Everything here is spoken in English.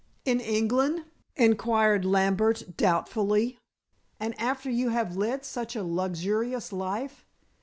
"In England?" inquired Lambert doubtfully. "And after you have led such a luxurious life?"